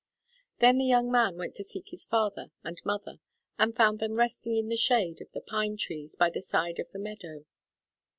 Then the young giant went to seek his father and mother, and found them resting in the shade of the pine trees by the side of the meadow.